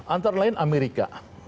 antara lain amerika